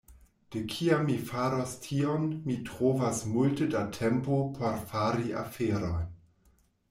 De kiam mi faras tion, mi trovas multe da tempo por fari aferojn.